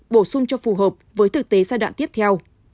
bổ sung cho phù hợp với thực tế giai đoạn tiếp theo